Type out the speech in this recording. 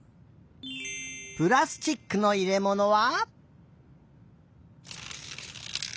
プラスチックのいれものは？